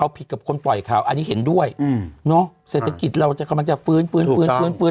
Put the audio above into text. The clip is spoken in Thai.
ผิดกับคนปล่อยข่าวอันนี้เห็นด้วยอืมเนอะเศรษฐกิจเราจะกำลังจะฟื้นฟื้นฟื้นฟื้นฟื้น